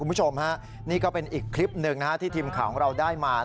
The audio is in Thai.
คุณผู้ชมฮะนี่ก็เป็นอีกคลิปหนึ่งที่ทีมข่าวของเราได้มา